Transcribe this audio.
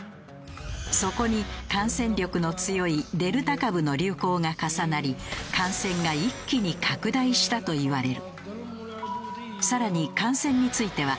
そこに感染力の強いデルタ株の流行が重なり感染が一気に拡大したといわれる。